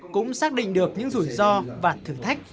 cũng xác định được những rủi ro và thử thách